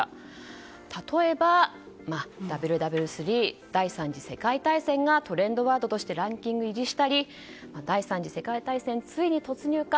例えばＷＷ３・第３次世界大戦がトレンドワードとしてランキング入りしたり第３次世界大戦についに突入か。